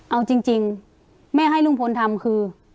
เอาจริงแม่ให้ลุงพลทำคือ